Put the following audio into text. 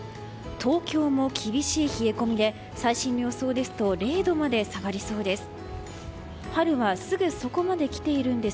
東京も厳しい冷え込みで最新の予想ですと０度まで下がりそうです。